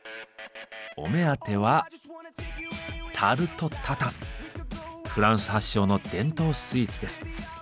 お目当てはフランス発祥の伝統スイーツです。